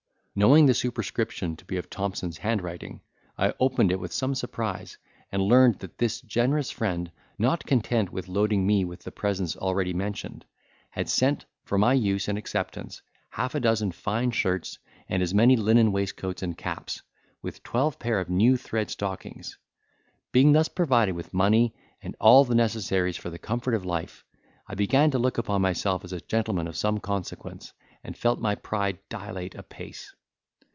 Knowing the superscription to be of Thompson's handwriting, I opened it with some surprise, and learned that this generous friend, not content with loading me with the presents already mentioned, had sent, for my use and acceptance, half a dozen fine shirts, and as many linen waistcoats and caps, with twelve pair of new thread stockings. Being thus provided with money and all necessaries for the comfort of life, I began to look upon myself as a gentleman of some consequence, and felt my pride dilate a pace.